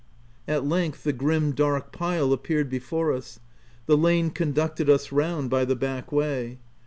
At length the grim, dark pile appeared before us. The lane conducted us round by the back way.